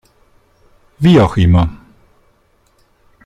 Wie auch immer.